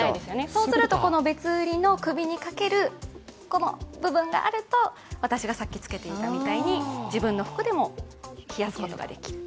そうすると、別売りの首にかける、この部分があると私がさっきつけていたみたいに、自分の服でも冷やすことができる。